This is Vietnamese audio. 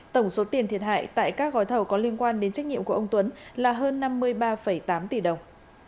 tổng số tiền thiệt hại tại các gói thầu có liên quan đến trách nhiệm của ông tuấn là hơn năm mươi ba tám tỷ đồng